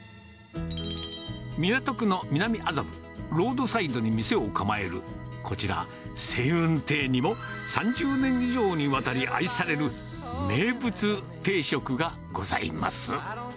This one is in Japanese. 港区の南麻布、ロードサイドに店を構える、こちら、盛運亭にも、３０年以上にわたり愛される名物定食がございます。